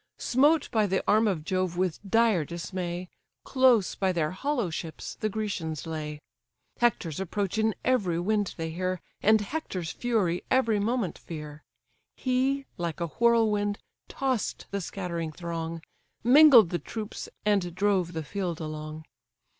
Smote by the arm of Jove with dire dismay, Close by their hollow ships the Grecians lay: Hector's approach in every wind they hear, And Hector's fury every moment fear. He, like a whirlwind, toss'd the scattering throng, Mingled the troops, and drove the field along.